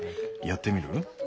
やってみる？